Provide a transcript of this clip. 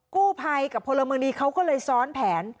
กู้ภัยกับพลเมืองดีเขาก็เลยซ้อนแผน